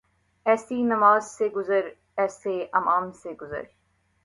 ایسی نماز سے گزر ایسے امام سے گزر